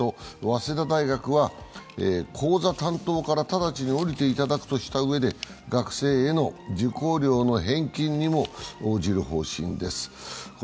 早稲田大学は、講座担当から直ちに降りていただくとしたうえで学生への受講料の返金にも応じる方針です。